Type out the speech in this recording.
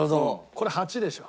これ８でしょ？